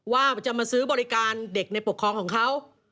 ว่าจะมาซื้อบริการเด็กในปกครองของเขา